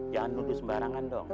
jangan nudus barangan dong